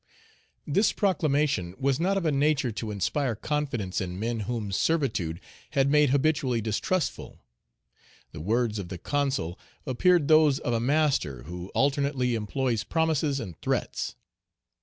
This proclamation was not of a nature to inspire confidence in men whom servitude had made habitually distrustful. The words of the Consul appeared those of a master who alternately employs promises and threats.